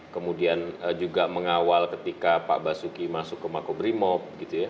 kemudian juga mengawal ketika pak basuki masuk ke makobrimob